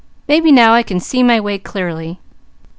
Maybe now I can see my way clearly.